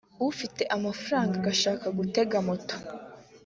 ufite amafaranga agashaka gutega moto